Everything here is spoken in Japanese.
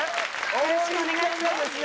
よろしくお願いします